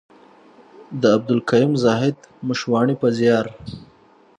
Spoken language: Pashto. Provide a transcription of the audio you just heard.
د عبدالقيوم زاهد مشواڼي په زيار.